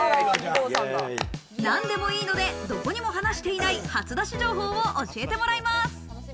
何でもいいので、どこにも話していない初出し情報を教えてもらいます。